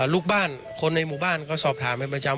ลูกบ้านคนในหมู่บ้านก็สอบถามเป็นประจำ